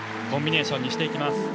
コンビネーションにしていきます。